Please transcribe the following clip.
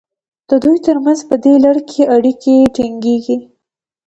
د دوی ترمنځ په دې لړ کې اړیکې ټینګیږي.